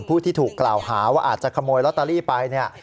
ผู้ที่ถูกกล่าวหาว่าอาจจะขโมยลอตเตอรี่ไปเนี่ย